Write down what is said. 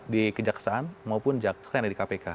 di kejaksaan maupun jaksa yang ada di kpk